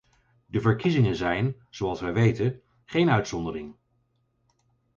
De verkiezingen zijn, zoals wij weten, geen uitzondering.